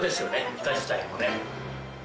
イカ自体もね。